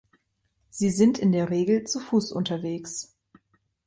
Sie sind in der Regel zu Fuß unterwegs.